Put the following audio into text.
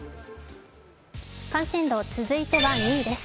関心度、続いては２位です。